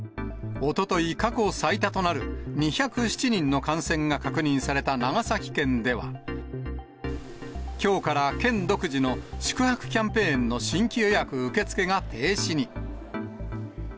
おととい、過去最多となる２０７人の感染が確認された長崎県では、きょうから県独自の宿泊キャンペーンの新規予約受け付けが停止に。